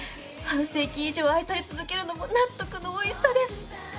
半世紀以上愛され続けるのも納得のおいしさです。